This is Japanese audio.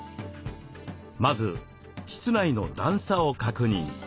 まず室内の段差を確認。